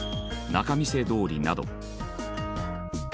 仲見世通りなど。